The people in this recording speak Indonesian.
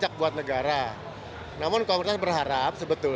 yang menunjukan di luar basket nya sampai sekitar empat sembilan miliar rupiah saat diperera